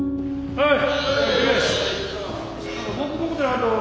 はい！